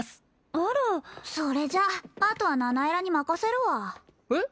あらそれじゃああとはナナエラに任せるわえっ？